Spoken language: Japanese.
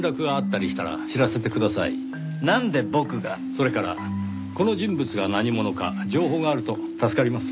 それからこの人物が何者か情報があると助かります。